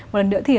một lần nữa thì